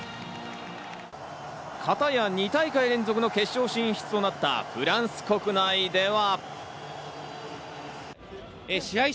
かたや２大会連続の決勝進出となったフランス国内では。